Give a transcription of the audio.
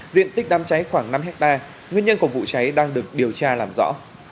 diện tích đám cháy khoảng năm hectare nguyên nhân của vụ cháy đang được điều tra làm rõ